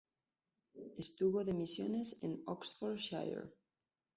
Estuvo de misiones en Oxfordshire.